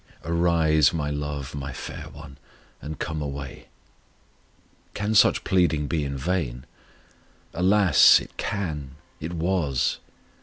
Arise, My love, My fair one, and come away. Can such pleading be in vain? Alas, it can, it was!